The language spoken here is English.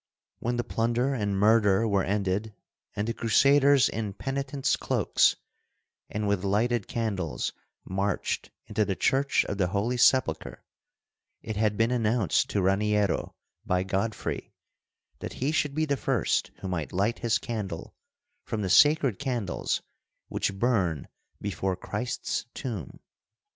When the plunder and murder were ended, and the Crusaders in penitents' cloaks and with lighted candles marched into the Church of the Holy Sepulchre, it had been announced to Raniero by Godfrey that he should be the first who might light his candle from the sacred candles which burn before Christ's tomb.